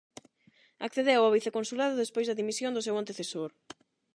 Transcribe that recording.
Accedeu ao viceconsulado despois da dimisión do seu antecesor.